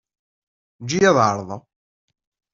Ǧǧet-iyi ad ɛerḍeɣ.